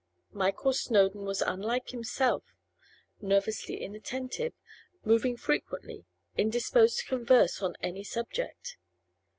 Michael Snowdon was unlike himself, nervously inattentive, moving frequently, indisposed to converse on any subject.